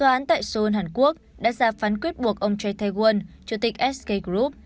ngày ba mươi tháng năm tòa án tại seoul hàn quốc đã ra phán quyết buộc ông choi tae won chủ tịch sk group